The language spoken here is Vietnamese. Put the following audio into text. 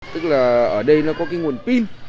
tức là ở đây nó có cái nguồn pin